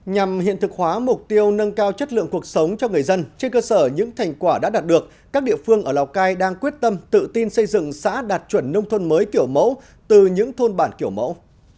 nhằm hiện thực hóa mục tiêu nâng cao chất lượng cuộc sống cho người dân trên cơ sở những thành quả đã đạt được các địa phương ở lào cai đang quyết tâm tự tin xây dựng xã đạt chuẩn nông thôn mới kiểu mẫu từ những thôn bản kiểu mẫu